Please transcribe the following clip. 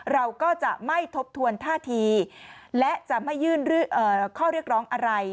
เราก็จะไม่ทบทวนท่าทีและจะไม่ยื่นข้อเรียกร้องอะไร